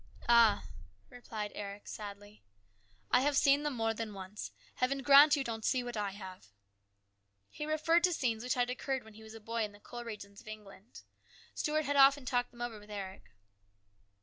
" Ah !" replied Eric, sadly, " I have seen them more than once. Heaven grant you don't see what I have." He referred to scenes which had occurred when he was a boy in the coal regions of England. Stuart had often talked them over with Eric.